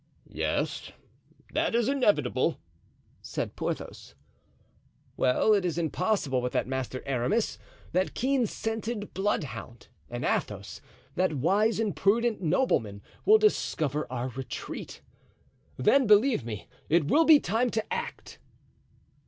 "Yes, that is inevitable," said Porthos. "Well, it is impossible but that Master Aramis, that keen scented bloodhound, and Athos, that wise and prudent nobleman, will discover our retreat. Then, believe me, it will be time to act."